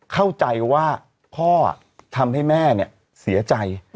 เข้าใจว่าพ่อทำให้แม่เสียใจ